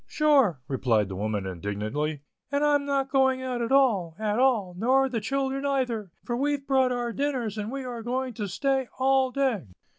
"Sure," replied the woman, indignantly, "an' I'm not going out at all, at all, nor the children aither, for we've brought our dinners and we are going to stay all day."